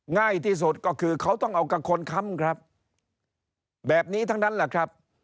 ง่ายที่สุดก็คือเขาต้องเอากับคนค้ำครับแบบนี้ทั้งนั้นแหละครับ